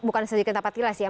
bukan sedikit napaktilas ya